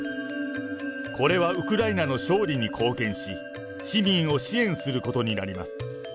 これはウクライナの勝利に貢献し、市民を支援することになります。